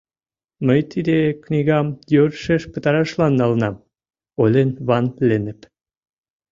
Мый тиде книгам йӧршеш пытарашлан налынам, — ойлен Ван-Леннеп.